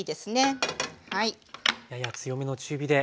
やや強めの中火で。